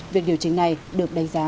việc điều chỉnh này được đánh giá